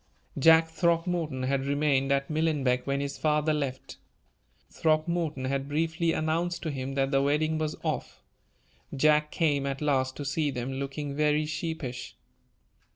Jack Throckmorton had remained at Millenbeck when his father left. Throckmorton had briefly announced to him that the wedding was off. Jack came at last to see them, looking very sheepish.